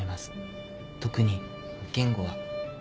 特に言語は。